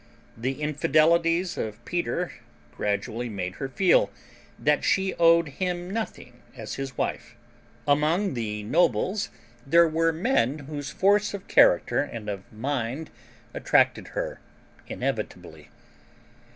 The infidelities of Peter gradually made her feel that she owed him nothing as his wife. Among the nobles there were men whose force of character and of mind attracted her inevitably.